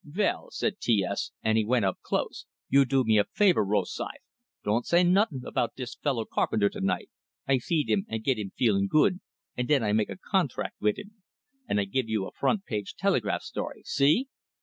"Vell," said T S, and he went up close. "You do me a favor, Rosythe; don't say nuttin' about dis fellow Carpenter tonight. I feed him and git him feelin' good, and den I make a contract vit him, and I give you a front page telegraph story, see?"